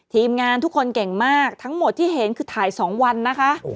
ทีมงานทุกคนเก่งมากทั้งหมดที่เห็นคือถ่าย๒วันนะคะ